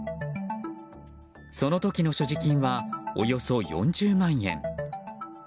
その時の所持金はおよそ４０万円。